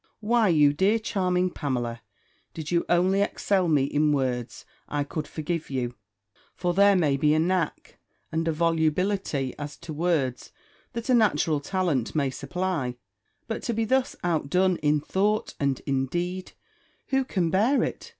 Why, you dear charming Pamela, did you only excel me in words, I could forgive you: for there may be a knack, and a volubility, as to words, that a natural talent may supply; but to be thus out done in thought and in deed, who can bear it?